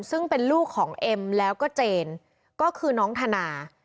ซึ่งเป็นลูกของเอ็มแล้วก็เจนก็คือน้องธนา